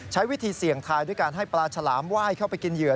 ใช้วิธีเสี่ยงทายด้วยการให้ปลาฉลามไหว้เข้าไปกินเหยื่อ